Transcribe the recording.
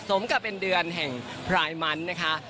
สมกับเป็นเดือนแห่งพรายมันนะคะ